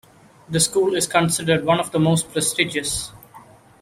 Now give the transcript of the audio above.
The school is considered one of the most prestigious.